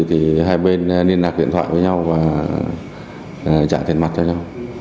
thì hai bên liên lạc điện thoại với nhau và trả tiền mặt cho nhau